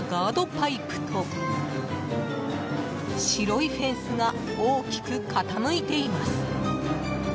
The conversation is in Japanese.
パイプと白いフェンスが大きく傾いています。